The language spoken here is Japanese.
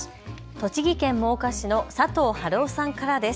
栃木県真岡市の佐藤治男さんからです。